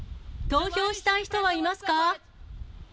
投票したい人はいますか。